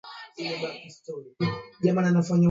Mkazi mwengine wa mtaa huo